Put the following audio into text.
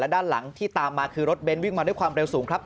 ด้านหลังที่ตามมาคือรถเน้นวิ่งมาด้วยความเร็วสูงครับ